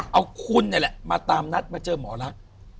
เอาคุณนี่แหละมาตามนัดมาเจอหมอลักษณ์